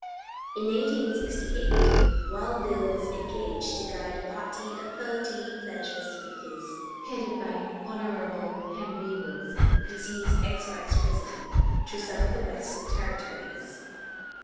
In 1868, Wild Bill was engaged to guide a party of thirty pleasure seekers, headed by Hon. Henry Wilson, deceased ex Vice President, through some of the Western territories.